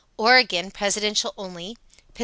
Ore. (Presidential only), Penn.